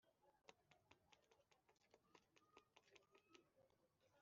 Gestapo yongeye gufata umuvandimwe Oman ijya kumuhata ibibazo